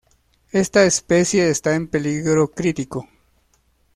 Esta especie está en peligro crítico.